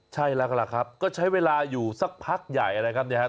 ใช่แล้วกันล่ะครับก็ใช้เวลาอยู่สักพักใหญ่นะครับเนี่ยครับ